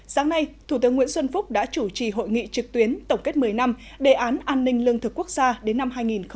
sáng nay thủ tướng nguyễn xuân phúc đã chủ trì hội nghị trực tuyến tổng kết một mươi năm đề án an ninh lương thực quốc gia đến năm hai nghìn hai mươi